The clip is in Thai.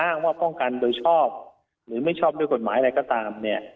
อ้างว่าป้องกันโดยชอบหรือไม่ชอบด้วยกฎหมายอะไรก็ตามเนี่ย